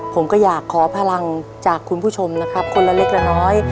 ผมก็อยากขอพลังจากคุณผู้ชมนะครับคนละเล็กละน้อย